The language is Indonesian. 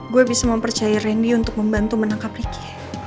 gue bisa mempercaya randy untuk membantu menangkap ricky